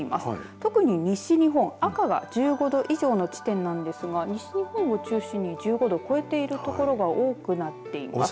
特に西日本、赤が１５度以上の地点なんですが西日本を中心に１５度を超えている所が多くなっています。